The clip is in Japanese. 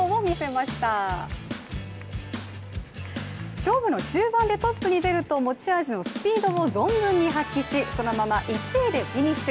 勝負の中盤でトップに出ると持ち味のスピードを存分に発揮し、そのまま１位でフィニッシュ。